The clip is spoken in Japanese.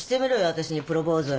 私にプロポーズ。